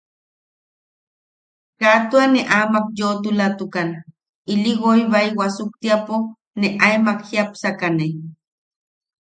Kaa tua ne amak yoʼotulatukan, ili woi bai wasuktiapo ne aemak jiapsakane.